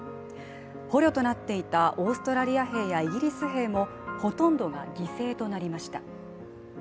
捕虜となっていたオーストラリア兵やイギリス兵もほとんどが犠牲となりました。